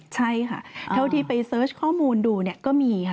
ใช่ค่ะเท่าที่ไปเสิร์ชข้อมูลดูเนี่ยก็มีค่ะ